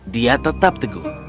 dia tetap teguh